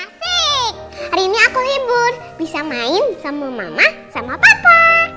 asik hari ini aku libur bisa main sama mama sama papa